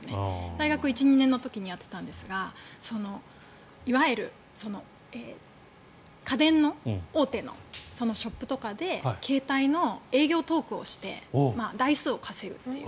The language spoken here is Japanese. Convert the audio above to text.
大学１、２年の時にやってたんですがいわゆる家電の大手のショップとかで携帯の営業トークをして台数を稼ぐという。